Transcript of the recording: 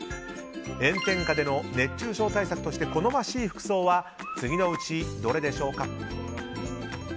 炎天下での熱中症対策として好ましい服装は次のうちどれでしょうか？